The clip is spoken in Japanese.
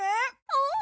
うん！